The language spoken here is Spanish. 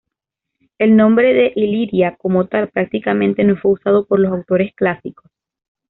El nombre de Iliria como tal prácticamente no fue usado por los autores clásicos.